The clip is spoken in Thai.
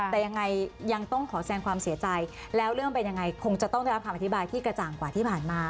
แต่ยังไงยังต้องขอแสงความเสียใจแล้วเรื่องเป็นยังไงคงจะต้องได้รับคำอธิบายที่กระจ่างกว่าที่ผ่านมา